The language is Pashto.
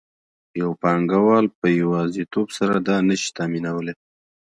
یو پانګوال په یوازیتوب سره دا نشي تامینولی